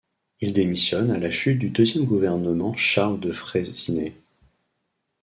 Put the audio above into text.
Il démissionne à la chute du deuxième gouvernement Charles de Freycinet.